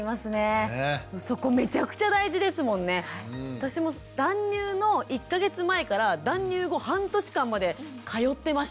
私も断乳の１か月前から断乳後半年間まで通ってました。